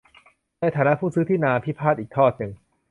ในฐานะผู้ซื้อที่นาพิพาทอีกทอดหนึ่ง